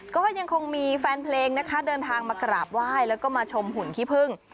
ก็ยังคงมีแฟนเพลงนะคะเดินทางมากราบไหว้แล้วก็มาชมหุ่นขี้พึ่ง